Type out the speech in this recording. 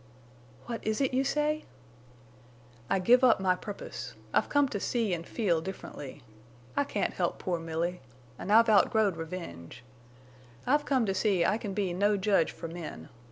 "What is it—you say?" "I give up my purpose. I've come to see an' feel differently. I can't help poor Milly. An' I've outgrowed revenge. I've come to see I can be no judge for men.